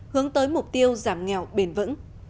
hướng tới mục tiêu giảm nghèo bền vững